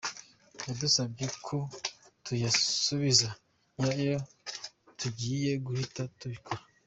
Yadusabye ko tuyasubiza nyirayo tugiye guhita tubikora”